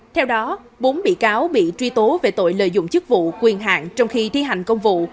theo đó bốn bị cáo bị truy tố về tội lợi dụng chức vụ quyền hạn trong khi thi hành công vụ